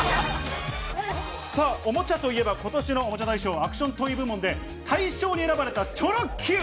さあ、おもちゃといえば、ことしのおもちゃ大賞・アクショントイ部門で、大賞に選ばれたチョロＱ。